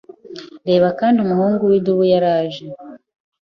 Reba kandi Umuhungu widubu yaraje